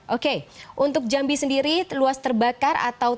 oke untuk jambi sendiri luas terbakar atau tidak